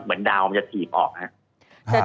เหมือนดาวมันจะสีของ